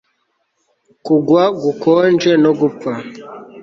kugwa gukonje no gupfa